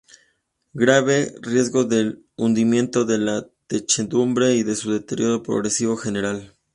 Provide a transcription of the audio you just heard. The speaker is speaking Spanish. Grave riesgo del hundimiento de la techumbre y de su deterioro progresivo general.